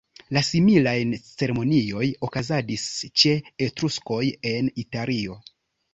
La similajn ceremonioj okazadis ĉe Etruskoj en Italio.